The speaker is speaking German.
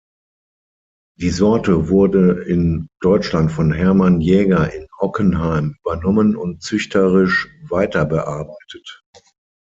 Die Sorte wurde in Deutschland von Hermann Jäger in Ockenheim übernommen und züchterisch weiterbearbeitet.